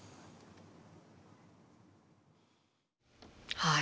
はい。